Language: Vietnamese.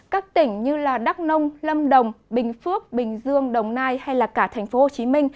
các tỉnh như đắk nông lâm đồng bình phước bình dương đồng nai hay cả tp hcm